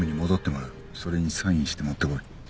それにサインして持ってこい。